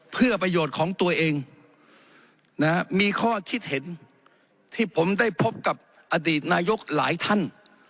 เพื่อประโยชน์ของตัวเองมีข้อคิดเห็นที่ผมได้พบกับอดีตนายกหลายท่าน